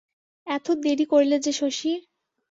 এত দেরি করলে যে শশী?